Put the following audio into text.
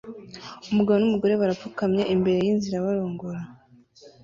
Umugabo numugore barapfukamye imbere yinzira barongora